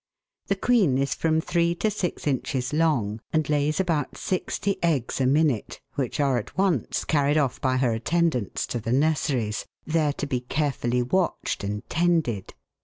The queen is from three to six inches long, and lays about sixty eggs a minute, which are at once carried off by her attendants to the nurseries, there to be carefully watched and tended.